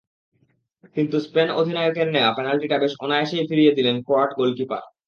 কিন্তু স্পেন অধিনায়কের নেওয়া পেনাল্টিটা বেশ অনায়াসেই ফিরিয়ে দিলেন ক্রোয়াট গোলকিপার।